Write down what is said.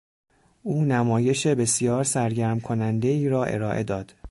او نمایش بسیار سرگرم کنندهای را ارائه داد.